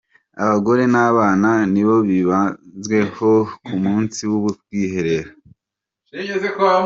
Abagore n’abana ni bo bibanzweho ku munsi w’ubwiherero